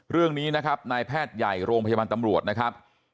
เรื่องนี้นะครับนายแพทย์ใหญ่โรงพยาบาลตำรวจนะครับ